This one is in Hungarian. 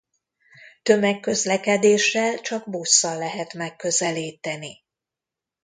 Tömegközlekedéssel csak busszal lehet megközelíteni.